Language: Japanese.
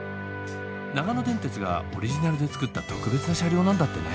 長野電鉄がオリジナルで作った特別な車両なんだってね。